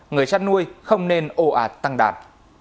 người chăn nuôi không nên ồ ạt tăng đàn